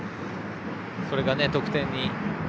それが、得点に。